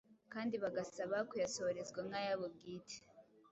kandi bagasaba kuyasohorezwa nk’ayabo bwite,